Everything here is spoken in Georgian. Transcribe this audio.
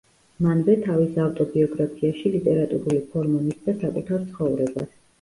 მანვე თავის ავტობიოგრაფიაში ლიტერატურული ფორმა მისცა საკუთარ ცხოვრებას.